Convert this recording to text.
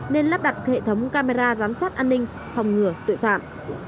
nên lắp đặt hệ thống camera giám sát an ninh phòng ngừa tội phạm